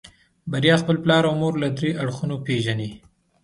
بريا خپل پلار او مور له دريو اړخونو پېژني.